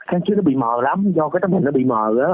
hôm trước nó bị mờ lắm do cái tấm hình nó bị mờ rồi á